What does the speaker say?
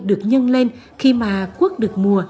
được nhân lên khi mà quốc được mua